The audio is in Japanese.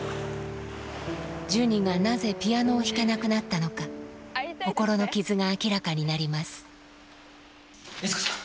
ジュニがなぜピアノを弾けなくなったのか心の傷が明らかになります悦子さん